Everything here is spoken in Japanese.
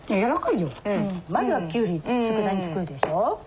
まずはきゅうりつくだ煮作るでしょ。